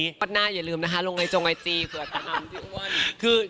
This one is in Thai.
ปัดหน้าอย่าลืมนะคะลงในจงไอจีเผื่อจะนำพี่อ้วน